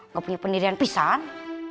gak punya pendirian pisang